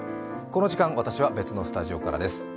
この時間、私は別のスタジオからです。